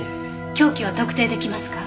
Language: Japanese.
凶器は特定出来ますか？